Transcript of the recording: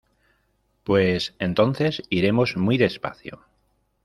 pues entonces iremos muy despacio